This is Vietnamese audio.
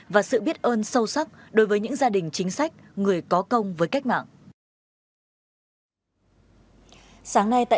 và sự biết ơn sâu sắc đối với những gia đình chính sách người có công với cách mạng